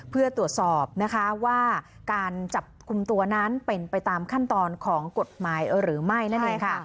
เพื่อตรวจสอบนะคะว่าการจับกลุ่มตัวนั้นเป็นไปตามขั้นตอนของกฎหมายหรือไม่นั่นเองค่ะ